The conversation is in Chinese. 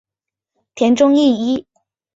田中义一。